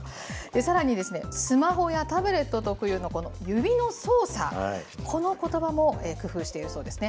さらに、スマホやタブレット特有の指の操作、このことばも工夫しているそうですね。